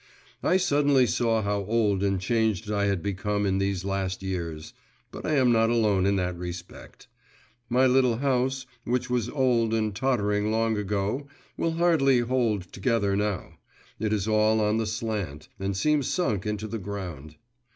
I suddenly saw how old and changed I had become in these last years. But I am not alone in that respect. My little house, which was old and tottering long ago, will hardly hold together now, it is all on the slant, and seems sunk into the ground.